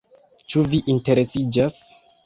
Ĉu vi interesiĝas?